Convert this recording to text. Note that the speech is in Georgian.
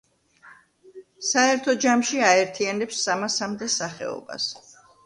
საერთო ჯამში აერთიანებს სამასამდე სახეობას.